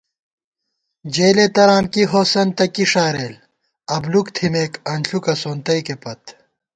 جېلےتران کی ہوسند تہ کی ݭارېل ، ابلُوک تھِمېت انݪُکہ سونتَئیکے پت